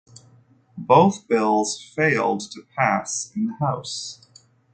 Both bills failed to pass in the House.